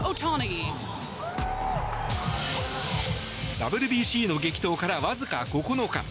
ＷＢＣの激闘からわずか９日。